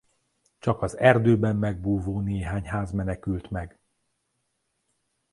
Csak az erdőben megbúvó néhány ház menekült meg.